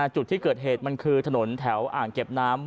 จุดที่เกิดเหตุมันคือถนนแถวอ่างเก็บน้ำ